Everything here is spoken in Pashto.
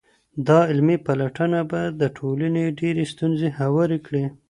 دا علمي پلټنه به د ټولني ډېرې ستونزي هوارې کړي.